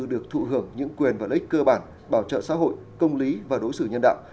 được thụ hưởng những quyền và lợi ích cơ bản bảo trợ xã hội công lý và đối xử nhân đạo